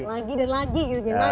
lagi dan lagi gitu